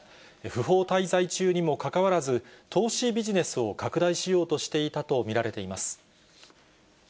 不法滞在中にもかかわらず、投資ビジネスを拡大しようとしていたと見られています。